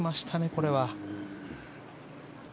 これは。